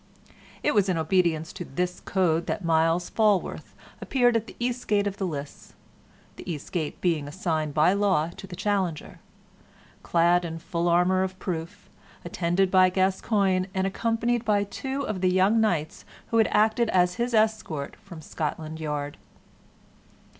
It was in obedience to this code that Myles Falworth appeared at the east gate of the lists (the east gate being assigned by law to the challenger), clad in full armor of proof, attended by Gascoyne, and accompanied by two of the young knights who had acted as his escort from Scotland Yard.